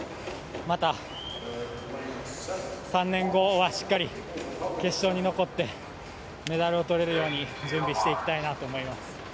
また３年後はしっかり決勝に残ってメダルをとれるように準備していきたいなと思います。